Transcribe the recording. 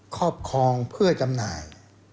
ครอบครองเพื่อจำหน่าย